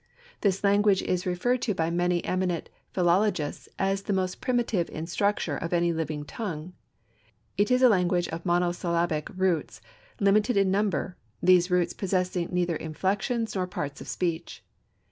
This language is referred to by many eminent philologists as the most primitive in structure of any living tongue. It is a language of monosyllabic roots, limited in number, these roots possessing neither inflections nor parts of speech.